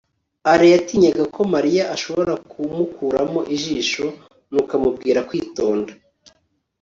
alain yatinyaga ko mariya ashobora kumukuramo ijisho, nuko amubwira kwitonda